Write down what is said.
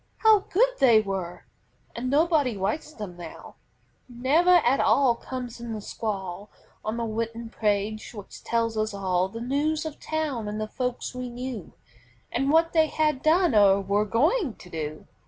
How good they were! And nobody writes them now; Never at all comes in the scrawl On the written pages which told us all The news of town and the folks we knew, And what they had done or were going to do.